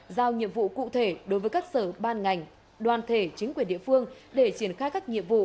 giao nhiệm vụ cụ thể đối với các sở ban ngành đoàn thể chính quyền địa phương để triển khai các nhiệm vụ